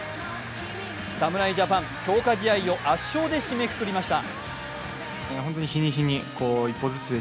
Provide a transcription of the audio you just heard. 侍ジャパン、強化試合を圧勝で締めくくりました。